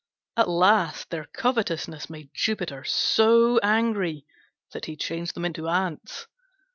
At last their covetousness made Jupiter so angry that he changed them into Ants.